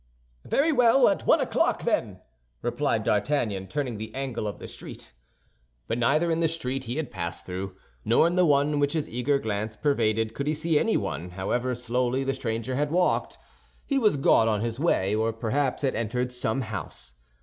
"Very well, at one o'clock, then," replied D'Artagnan, turning the angle of the street. But neither in the street he had passed through, nor in the one which his eager glance pervaded, could he see anyone; however slowly the stranger had walked, he was gone on his way, or perhaps had entered some house.